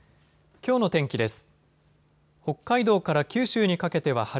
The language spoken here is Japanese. きょうの天気です。